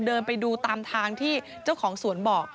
เดินไปดูตามทางที่เจ้าของสวนบอก